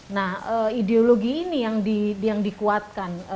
nah ideologi ini yang dikuatkan